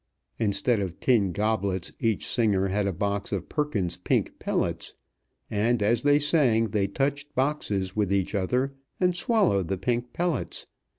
Instead of tin goblets each singer had a box of Perkins's Pink Pellets; and, as they sang, they touched boxes with each other, and swallowed the Pink Pellets.